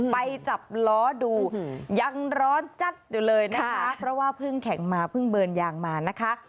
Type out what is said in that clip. ไปจับล้อดูยังร้อนจัดอยู่เลยนะคะเพราะว่าเพิ่งแข่งมาเพิ่งเบิร์นยางมานะคะ